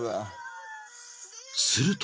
［すると］